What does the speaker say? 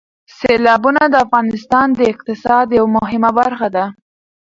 سیلابونه د افغانستان د اقتصاد یوه مهمه برخه ده.